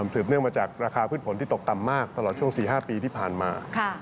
เนื่องมาจากราคาพืชผลที่ตกต่ำมากตลอดช่วง๔๕ปีที่ผ่านมา